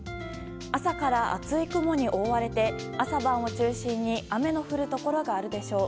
朝から厚い雲に覆われて朝晩を中心に雨の降るところがあるでしょう。